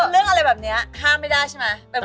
เรื่องอะไรแบบนี้ห้ามไม่ได้ใช่ไหม